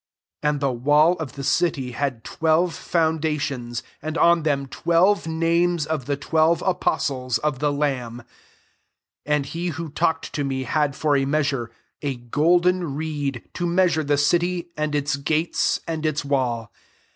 14 And the wall of the city had twelve foundations, and on them twelve names of the twelve apostles of the lamjb. 15 And he who talked to me had for a measure a golden reed, to measure the city, and its gates, and its wall.